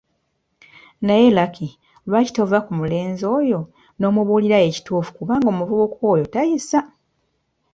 Naye Lucky, lwaki tova ku mulenzi oyo n’omubuulira ekituufu kubanga omuvubuka oyo tayisa!